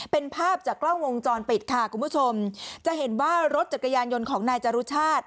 เป็นภาพจากกล้องวงจรปิดค่ะคุณผู้ชมจะเห็นว่ารถจักรยานยนต์ของนายจรุชาติ